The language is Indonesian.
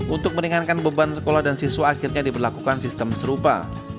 untuk meringankan beban sekolah dan siswa akhirnya diberlakukan sistem serupa